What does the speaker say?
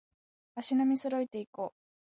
足並み揃えていこう